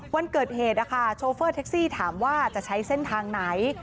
วันเกิดเหตุนะคะโชเฟอร์แท็กซี่ถามว่าจะใช้เส้นทางไหน